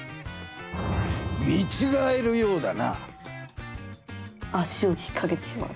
見ちがえるようだな。